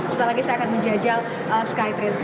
sekali lagi saya akan menjajal skytrain